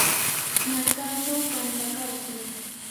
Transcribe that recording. markachaw pantakarquu.